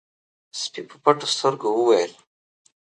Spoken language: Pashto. سپي په پټو سترګو وويل: